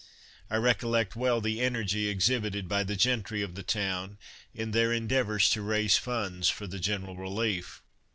I recollect well the energy exhibited by the gentry of the town, in their endeavours to raise funds for the general relief.